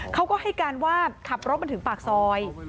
เขาก็ให้การว่าขับรถมาถึงปากซอย